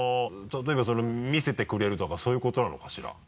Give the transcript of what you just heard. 例えば見せてくれるとかそういうことなのかしら？